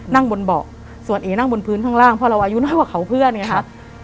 นั่งบนเบาะส่วนเอนั่งบนพื้นข้างล่างเพราะเราอายุน้อยกว่าเขาเพื่อนไงครับ